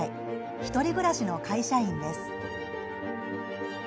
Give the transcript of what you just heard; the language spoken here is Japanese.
１人暮らしの会社員です。